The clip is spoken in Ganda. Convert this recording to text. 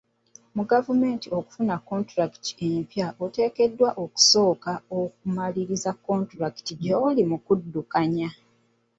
Mu gavumenti okufuna kontulakiti empya oteekeddwa okusooka okumaliriza kontulakiti gy'oli mu kudukanya.